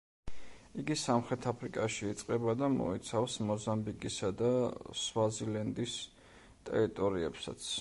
იგი სამხრეთ აფრიკაში იწყება და მოიცავს მოზამბიკისა და სვაზილენდის ტერიტორიებსაც.